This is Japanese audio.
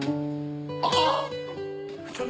あっ！